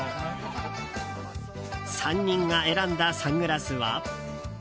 ３人が選んだサングラスは。